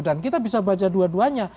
dan kita bisa baca dua duanya